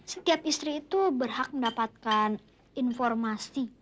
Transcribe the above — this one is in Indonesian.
setiap istri itu berhak mendapatkan informasi